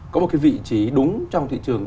có một cái vị trí đúng trong thị trường